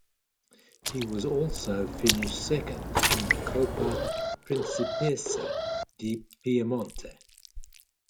He was also finish second in the Coppa Principessa di Piemonte.